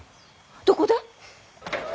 どこで？